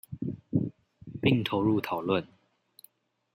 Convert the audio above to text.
並投入討論